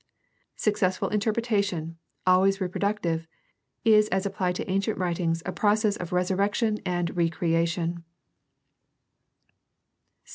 Successful interpretation, always reproductive, is as applied to ancient writings a process of resurrection and recreation.